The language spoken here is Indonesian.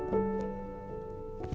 mereka bisa melihat keadaan mereka sendiri